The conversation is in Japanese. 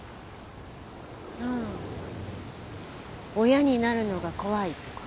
親になるのが怖いとか？